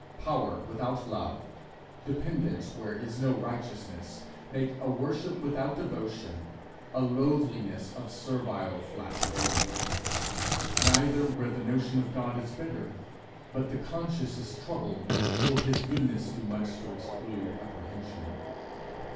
Power without love, dependence where is no righteousness, wake a worship without devotion, a loathliness of servile flattery. Neither, where the notion of God is better, but the conscience is troubled, will his goodness do much to exclude apprehension.